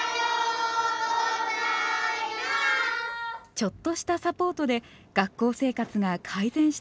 ちょっとしたサポートで学校生活が改善した人がいます。